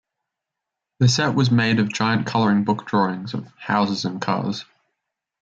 The set was made of giant coloring book drawings of houses and cars.